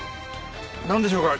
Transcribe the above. なんでしょうか？